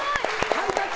ハイタッチ！